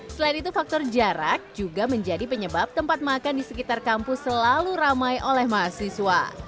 selain itu faktor jarak juga menjadi penyebab tempat makan di sekitar kampus selalu ramai oleh mahasiswa